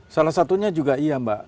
salah satunya juga iya mbak